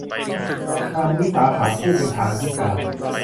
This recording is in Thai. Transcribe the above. นางวิสาขา ผู้เป็นทายิกา